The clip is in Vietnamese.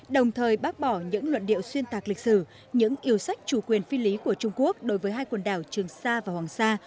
đồng thời bác bỏ những luận điệu xuyên tạc lịch sử những yêu sách chủ quyền phi lý của trung quốc đối với hai quần đảo trường sa và hoàng sa